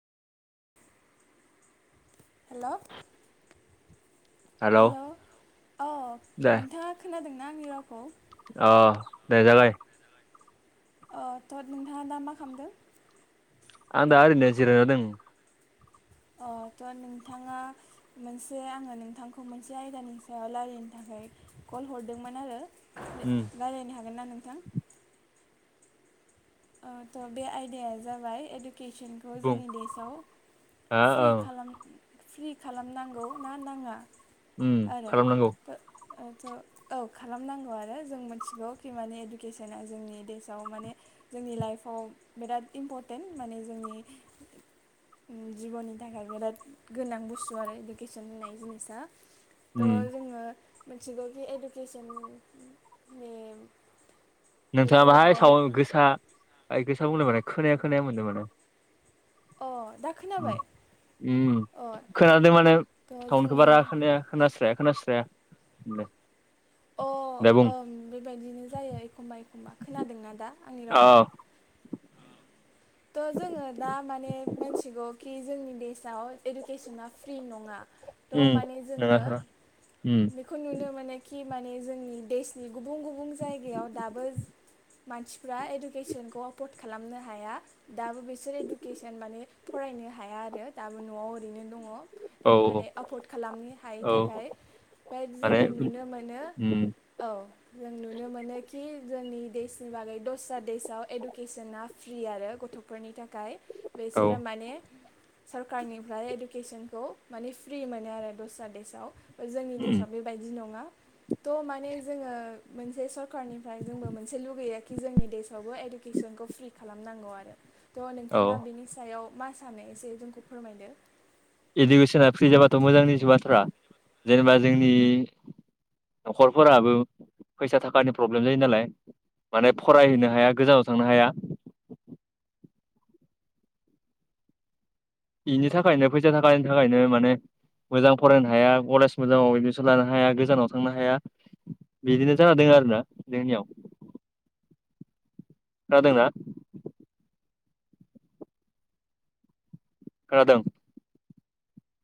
हेल' hello hello औ दे नोंथांङा खोनादोंना आंनि रावखौ? अ दायो जाबाय अ थ' नोंथाङा दा मा खालामदों? आं दा ओरैनो जिरायना दं। अ थ' नोंथाङा मोनसे आङो नोंथांखौ मोनसे आयदानि सायाव लारिनो था ओमफ्राय कल हरदोंमोन आरो उम रायज्लायनो हागोन ना नोंथां? ओ थ' बे आयदाया जाबाय एदुके ऐदुकेसनखौ बुं जोंनि देशाव हा फ्रि ओं खालाम फ्रि खालामनांगौ ना नाङा? उम आरो खालामनांगौ। थ' औ खालामनांगौ आरो जों मिथिगौ खि माने इडुकेसना जोंनि देशआव माने जोंनि लाइफआव बिराद इम्परटेन्ट माने जोंनि जिबननि थाखाय बिराद गोनां बुस्थु आरो इडुकेसन होननाय जिनिसा थ' उम जोङो मिथिगौखि इडुकेसननि नोंथाङा बाहाय साव गोसा गोसा बुंदों माने खोनाया खोनाया मोनदों माने अ दा उम खोनाबाय उम अ खोनादों माने थ' साउनखौ जोङो बारा खोनाया खोनास्राया खोनास्राया उम दे अ दे बुं ओं बेबायदिनो जायो एखमबा एखमबा खोनादोंना दा आंनि अ रावखौ [inaudible] थ' जोङो दा माने मोनथिगौ कि जोंनि देसाव इडुकेसना फ्रि नङा थ उम माने नोङा जोङो नोङा उम बेखौ नुनो मोनोखि माने जोंनि देशनि गुबुन गुबुन जायगायाव दाबो मानसिफ्रा इडुकेसनखौ एफर्ड खालामनो हाया दाबो बिसोर इडुकेसन माने फरायनो नो हाया आरो दाबो न'आव ओरैनो दङ। औ माने एफर्ड खालामनो हायै औ थाखाय बाट माने जोङो नुनो मोन नो उम औ जों नुनो मोनो कि जोंनि देशनि बागै दस्रा देसआव एडुकेसना फ्रि आरो गथ'फोरनि थाखाय औ बेसोरो माने सरकारनिफ्राय इडुकेसनखौ माने फ्रि मोनो आरो दस्रा देसआव। जोंनि उम देसाआव बेबायदि नङा थ' माने जोङो मोनसे सरखारारनिफ्राय जोंबो मोनसे लुगैया कि जोंनि देशआवबो इडु केसनखौ फ्रि खालामनांगौ आरो। थ' औ नोंथाङा बिनि सायाव मा सानो एसे जोंखौ फोरमायदो इडुकेसना फ्रि जाबाथ' मोजांनिसो बाथ्रा जेनेबा जोंनि न'खरफोराबो फैसा थाखानि प्रब्लेम जायो नालाय माने फरायहैनो हाया गोजानाव थांनो हाया [inaudible] बेनि थाखायनो फैसा थाखानि थाखायनो माने मोजां फरायनो हाया कलेज मोजाङाव एदमिसन लानो हाया गोजानाव थांनो हाया। बिदिनो जाना दोंओ आरोना जोंनियाव [inaudible] जादोंना खोनादों